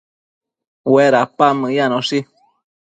Uedapan meyanoshi